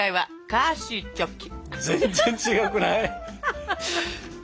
クヮーシーチョッキ。